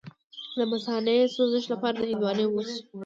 د مثانې د سوزش لپاره د هندواڼې اوبه وڅښئ